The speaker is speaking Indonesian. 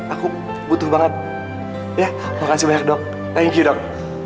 aku butuh banget ya makasih banyak dok thank you dok